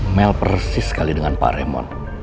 mel persis sekali dengan pak remon